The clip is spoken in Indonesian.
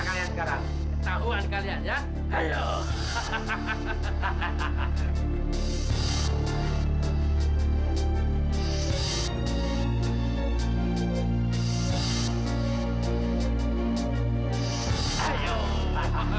ketahuan kalian ya